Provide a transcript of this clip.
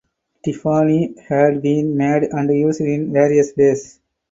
Tiffany had been made and used in various ways.